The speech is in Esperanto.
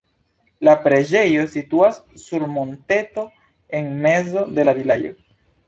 La preĝejo situas sur monteto en mezo de la vilaĝo.